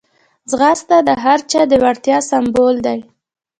ځغاسته د هر چا د وړتیا سمبول دی